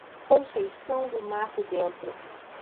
Conceição do Mato Dentro